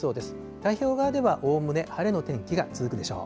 太平洋側ではおおむね晴れの天気が続くでしょう。